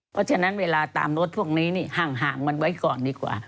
เพราะฉะนั้นเวลาตามรถพวกนี้นี่ห่างกันไว้ก่อนดีกว่า